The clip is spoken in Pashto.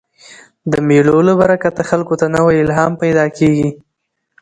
د مېلو له برکته خلکو ته نوی الهام پیدا کېږي.